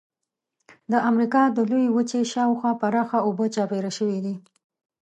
د امریکا د لویې وچې شاو خوا پراخه اوبه چاپېره شوې دي.